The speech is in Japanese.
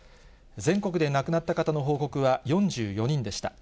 全国で亡くなった方の報告は４４人でした。